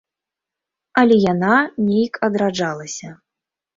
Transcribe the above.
Але яна нейк адраджалася.